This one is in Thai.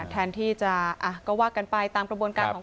แถนที่จะก็วากกันไปตามกระบวนการผิดกฎหมาย